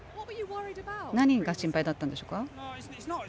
何が心配だったんでしょうか？